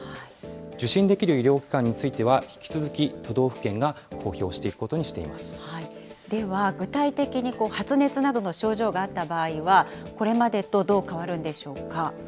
受診できる医療機関については、引き続き都道府県が公表していくでは、具体的に発熱などの症状があった場合は、これまでとどう変わるんでしょうか。